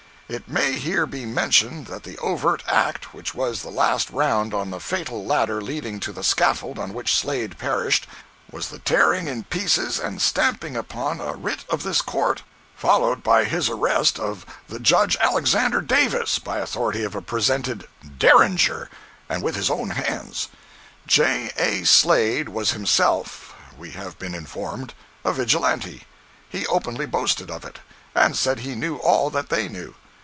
It may here be mentioned that the overt act which was the last round on the fatal ladder leading to the scaffold on which Slade perished, was the tearing in pieces and stamping upon a writ of this court, followed by his arrest of the Judge Alex. Davis, by authority of a presented Derringer, and with his own hands. J. A. Slade was himself, we have been informed, a Vigilante; he openly boasted of it, and said he knew all that they knew.